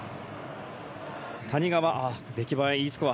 谷川、出来栄えＥスコア